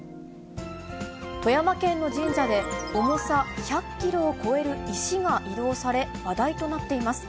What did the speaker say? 富山県の神社で、重さ１００キロを超える石が移動され、話題となっています。